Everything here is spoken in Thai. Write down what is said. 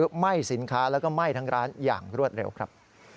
ไหม้สินค้าแล้วก็ไหม้ทั้งร้านอย่างรวดเร็วครับ